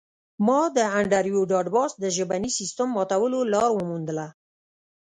ما د انډریو ډاټ باس د ژبني سیستم ماتولو لار وموندله